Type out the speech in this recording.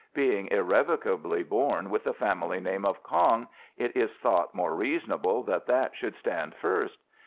"Being irrevocably born with the family name of Kong, it is thought more reasonable that that should stand first.